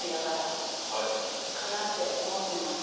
かなって思ってます。